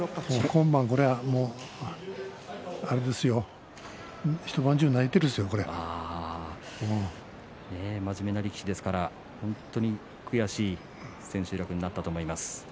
今晩、これは一晩中真面目な力士ですから本当に悔しい千秋楽になったと思います。